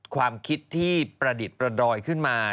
ความคิดที่ประดิษฐ์ประดอยขึ้นมา